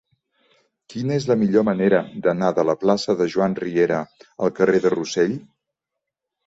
Quina és la millor manera d'anar de la plaça de Joan Riera al carrer de Rossell?